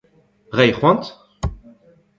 Reiñ c'hoant ?